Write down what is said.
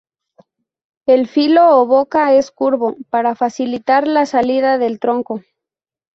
El filo o boca es curvo, para facilitar la salida del tronco.